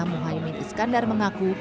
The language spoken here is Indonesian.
muhaymin iskandar dan pak surya